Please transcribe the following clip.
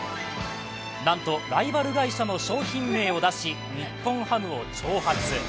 なんとライバル会社の商品名を出し日本ハムを挑発。